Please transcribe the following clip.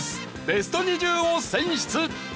ベスト２０を選出。